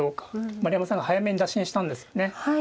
丸山さんが早めに打診したんですよね。